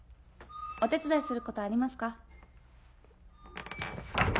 お手伝いすることありますか？